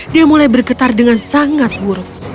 dia mulai bergetar dengan sangat buruk